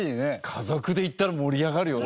家族で行ったら盛り上がるよね。